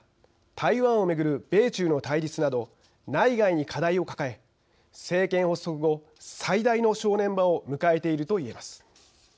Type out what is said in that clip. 台湾を巡る米中の対立など内外に課題を抱え政権発足後、最大の正念場を迎えているといえます。